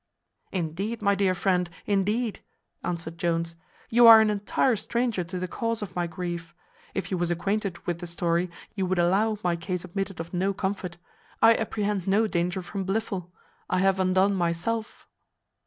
"Indeed, my dear friend, indeed," answered Jones, "you are an entire stranger to the cause of my grief. If you was acquainted with the story, you would allow my case admitted of no comfort. I apprehend no danger from Blifil. I have undone myself."